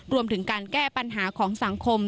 รวมถึงการแก้ปัญหาของสังคม